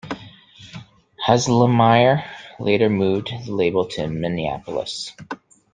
Hazelmyer later moved the label to Minneapolis.